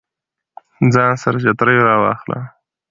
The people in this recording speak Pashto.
ځان سره چترۍ راواخله